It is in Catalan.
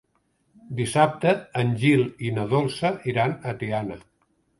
Dissabte en Gil i na Dolça iran a Tiana.